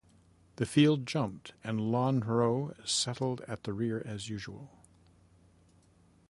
The field jumped, and Lonhro settled at the rear as usual.